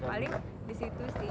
paling di situ sih